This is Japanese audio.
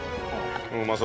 うまそう。